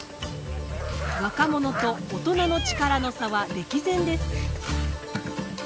若者と大人の力の差は歴然です。